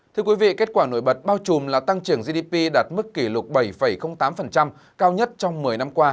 thưa quý vị kết quả nổi bật bao trùm là tăng trưởng gdp đạt mức kỷ lục bảy tám cao nhất trong một mươi năm qua